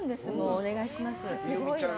お願いします。